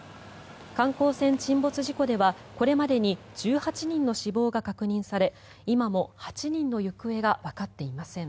観光船沈没事故ではこれまでに１８人の死亡が確認され今も８人の行方がわかっていません。